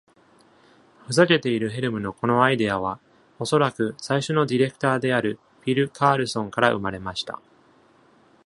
ふざけているヘルムのこのアイデアは、おそらく、最初のディレクターであるフィル・カールソンから生まれました。